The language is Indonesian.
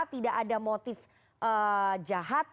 tidak ada motif jahat